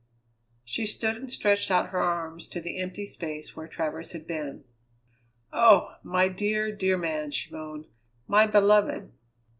She stood and stretched out her arms to the empty space where Travers had been. "Oh! my dear, dear man!" she moaned. "My beloved!"